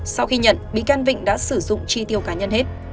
sau khi nhận bị can vịnh đã sử dụng chi tiêu cá nhân hết